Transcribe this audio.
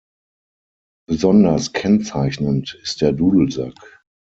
Besonders kennzeichnend ist der Dudelsack.